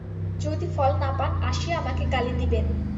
যদি ফল না পান, আসিয়া আমাকে গালি দিবেন।